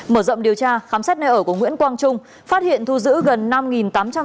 mở rộng điều tra khám xét nơi ở của nguyễn quang trung phát hiện thu giữ gần